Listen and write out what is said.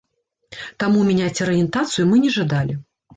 Таму мяняць арыентацыю мы не жадалі!